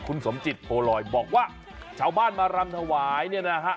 คุณสมจิตโพลอยบอกว่าชาวบ้านมารำถวายเนี่ยนะฮะ